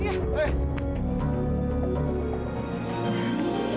tidak usah patah semakin